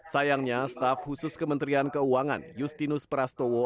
sayangnya staf khusus kementerian keuangan justinus prastowo